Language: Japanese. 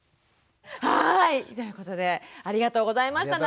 はいということでありがとうございました。